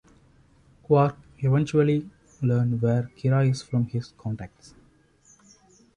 Quark eventually learns where Kira is from his "contacts".